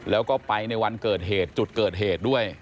แล้วก็ไปในวันเกิดเหตุจุดเกิดเหตุด้วย